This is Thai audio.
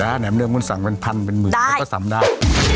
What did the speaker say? แล้วแหน่มเนื้อมนุษย์สั่งเป็น๑๐๐๐เป็น๑๐๐๐๐ก็สำได้